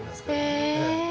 へえ。